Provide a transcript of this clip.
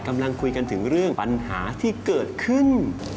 กำลังคุยกันถึงเรื่องปัญหาที่เกิดขึ้น